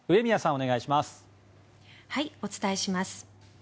お伝えします。